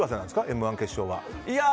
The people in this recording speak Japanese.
「Ｍ‐１」決勝は。